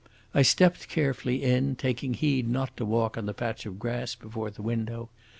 I stepped carefully in, taking heed not to walk on the patch of grass before the window.